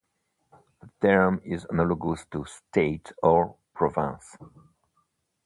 The term is analogous to "state" or "province".